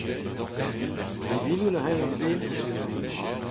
Divinout a c'hell an den ?